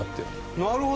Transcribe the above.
なるほど！